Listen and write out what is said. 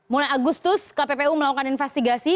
mulai agustus kppu melakukan investigasi